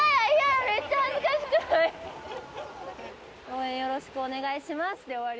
「応援よろしくお願いします」で終わり？